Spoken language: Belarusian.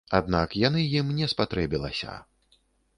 Аднак яны ім не спатрэбілася.